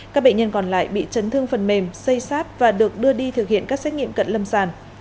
các bệnh nhân còn lại bị chấn thương phần mềm xây sát và được đưa đi thực hiện các xét nghiệm cận lâm sàng